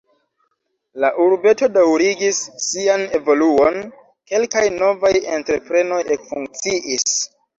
La urbeto daŭrigis sian evoluon, kelkaj novaj entreprenoj ekfunkciis.